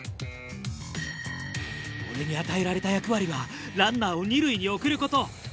「俺に与えられた役割はランナーを二塁に送ること」。